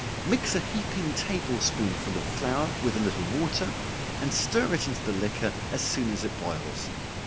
Mix a heaping table spoonful of flour with a little water, and stir it into the liquor as soon as it boils.